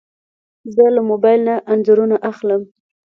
زه له موبایل نه انځورونه اخلم.